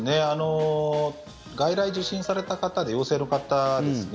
外来受診された方で陽性の方ですね。